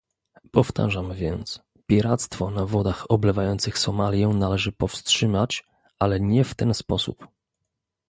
Powtarzam więc, piractwo na wodach oblewających Somalię należy powstrzymać, ale nie w ten sposób